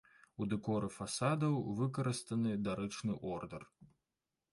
У дэкоры фасадаў выкарыстаны дарычны ордар.